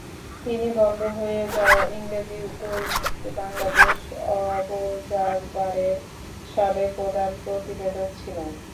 তিনি বন্ধ হয়ে যাওয়া ইংরেজি দৈনিক বাংলাদেশ অবজারভারের সাবেক প্রধান প্রতিবেদক ছিলেন।